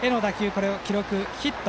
これは記録はヒット。